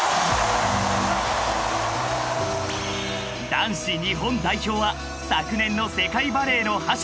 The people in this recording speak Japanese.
［男子日本代表は昨年の世界バレーの覇者